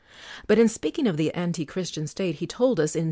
But in speaking of the antichristian state he told us (I.